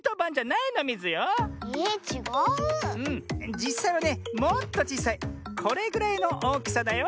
じっさいはねもっとちいさいこれぐらいのおおきさだよ。